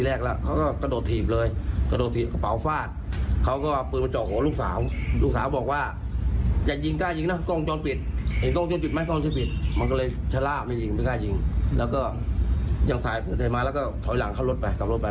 แล้วก็ยังใส่มาแล้วก็ถอยหลังเข้ารถไปกลับรถไป